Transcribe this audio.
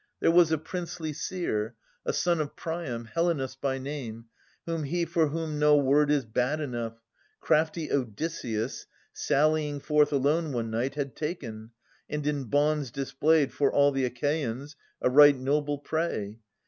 There was a princely seer, A son of Priam, Helenus by name, Whom he for whom no word is bad enough, Crafty Odysseus, sallying forth alone One night, had taken, and in bonds displayed 'Fore all the Achaeans, a right noble prey.